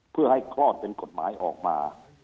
เพื่อให้คลอดเป็นกฎหมายออกมา